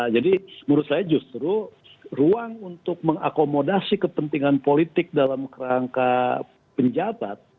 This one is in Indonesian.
jadi menurut saya justru ruang untuk mengakomodasi kepentingan politik dalam rangka penjabat